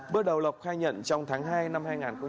bước đầu lộc khai nhận trong tháng hai năm hai nghìn hai mươi ba